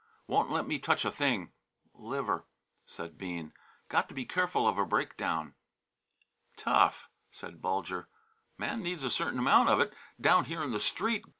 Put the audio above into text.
"Won't let me touch a thing liver," said Bean. "Got to be careful of a breakdown." "Tough," said Bulger. "Man needs a certain amount of it, down here in the street.